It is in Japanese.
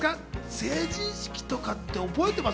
成人式とかって覚えてます？